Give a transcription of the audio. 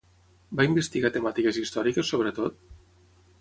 Va investigar temàtiques històriques sobretot?